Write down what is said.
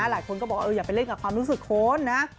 หลายคนก็บอกว่าอย่าไปเล่นกับความรู้สึกคนนะ